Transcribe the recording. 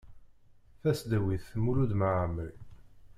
Tasdawit Mulud Mɛemmri.